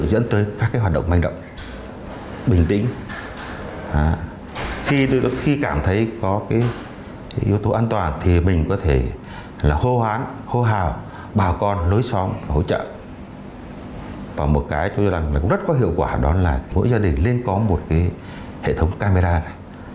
và một cái tôi nghĩ là rất có hiệu quả đó là mỗi gia đình nên có một hệ thống camera này